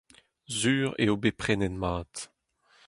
Sur eo bet prenet mat.